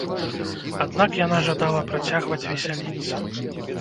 Аднак яна жадала працягваць весяліцца.